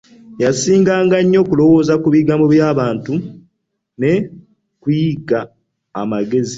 Yasinganga nnyo okulowooza ku bigambo bya bantu nu kuyiga amagezi.